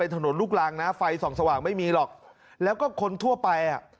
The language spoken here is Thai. ถนนลูกรังนะไฟส่องสว่างไม่มีหรอกแล้วก็คนทั่วไปอ่ะ